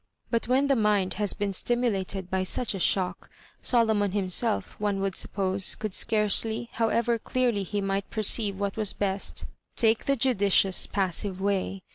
But when the mind has been stimulated by such a shodc, Solomon himself one would suppose, could scarcely, however dearly he might per ceive what was best, take the judidous passive way.